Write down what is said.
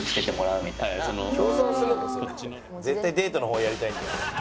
絶対デートの方やりたいんだ。